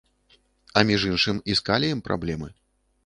А між іншым, і з каліем праблемы.